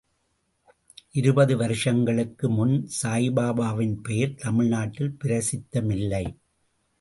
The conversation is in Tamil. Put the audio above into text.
இருபது வருஷங்களுக்கு முன் சாயிபாபாவின் பெயர் தமிழ் நாட்டில் பிரசித்தமில்லை.